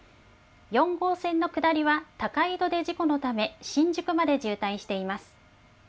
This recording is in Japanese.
４号線の下りは、高井戸で事故のため、新宿まで渋滞しています。